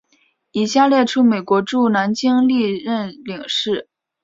以下列出美国驻南京历任领事。